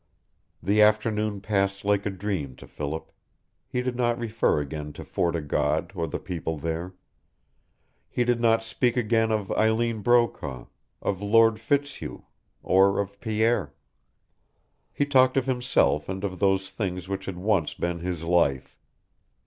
The afternoon passed like a dream to Philip, He did not refer again to Fort o' God or the people there; he did not speak again of Eileen Brokaw, of Lord Fitzhugh, or of Pierre. He talked of himself and of those things which had once been his life.